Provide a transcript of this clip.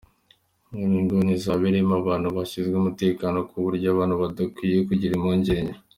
Buri nguni izaba irimo abantu bashinzwe umutekano ku buryo abantu badakwiye kugira impungenge.